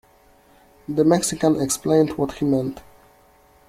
The Mexican explained what he meant.